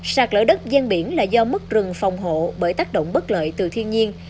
sạt lỡ đất gian biển là do mất rừng phòng hộ bởi tác động bất lợi từ thiên nhiên